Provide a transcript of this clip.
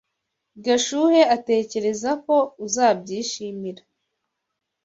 Gashuhe atekereza ko uzabyishimira.